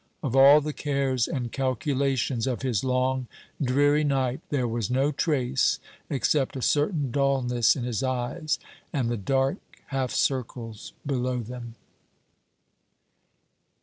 Of all the cares and calculations of his long dreary night there was no trace, except a certain dulness in his eyes, and the dark half circles below them.